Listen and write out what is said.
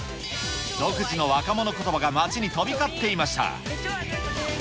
独自の若者ことばが街に飛び交っていました。